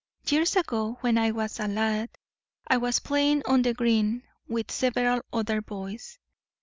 Years ago when I was a lad I was playing on the green with several other boys.